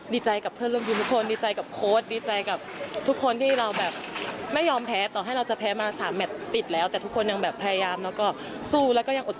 ดีใจกับเพื่อนร่วมทีมทุกคนดีใจกับโค้ดดีใจกับทุกคนที่เราแบบไม่ยอมแพ้ต่อให้เราจะแพ้มา๓แมทติดแล้วแต่ทุกคนยังแบบพยายามแล้วก็สู้แล้วก็ยังอดท